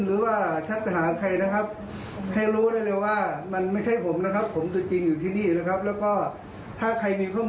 หรือว่าชัดไปหาใครนะครับให้รู้ได้เลยว่ามันไม่ใช่ผมนะครับ